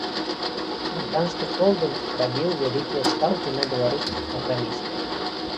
Брытанскі холдынг рабіў вялікія стаўкі на беларускіх праграмістаў.